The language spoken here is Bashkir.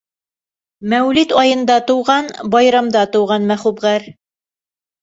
— Мәүлит айында тыуған; байрамда тыуған Мәхүб ғәр.